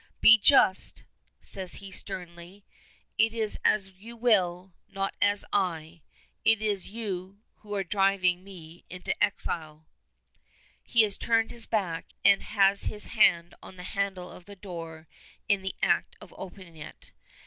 "Be just:" says he sternly. "It is as you will not as I. It is you who are driving me into exile." He has turned his back, and has his hand on the handle of the door in the act of opening it.